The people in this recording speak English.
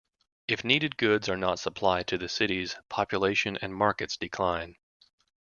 If needed goods are not supplied to the cities, population and markets decline.